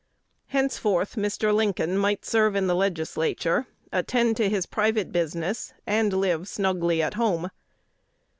Henceforth Mr. Lincoln might serve in the Legislature, attend to his private business, and live snugly at home.